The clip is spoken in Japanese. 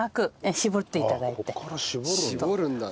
絞るんだね。